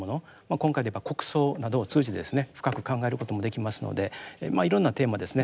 今回で言えば国葬などを通じてですね深く考えることもできますのでいろんなテーマですね